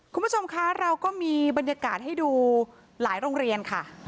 คุณผู้ชมคะเราก็มีบรรยากาศให้ดูหลายโรงเรียนค่ะ